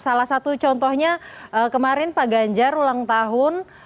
salah satu contohnya kemarin pak ganjar ulang tahun